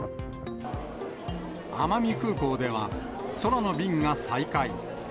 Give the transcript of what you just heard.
奄美空港では、空の便が再開。